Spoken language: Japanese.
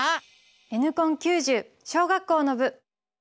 「Ｎコン９０」小学校の部！